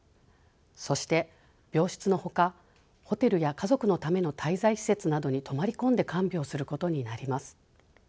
そして病室のほかホテルや家族のための滞在施設などに泊まり込んで看病することになります。